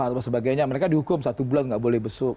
atau sebagainya mereka dihukum satu bulan nggak boleh besuk